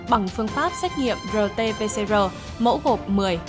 bằng phương pháp xét nghiệm rt pcr mẫu gộp một mươi